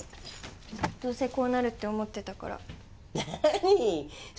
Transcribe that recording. どうせこうなるって思ってたから。